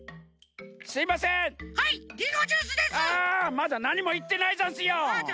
まだなにもいってないざんすよ！